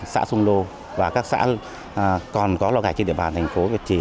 xã xung lô và các xã còn có lò gạch trên địa bàn thành phố việt trì